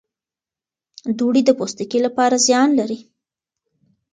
دوړې د پوستکي لپاره زیان لري.